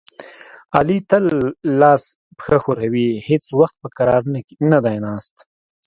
علي تل لاس پښه ښوروي، هېڅ وخت په کرار نه دی ناست.